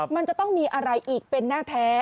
มันจะต้องมีอะไรอีกเป็นแน่แท้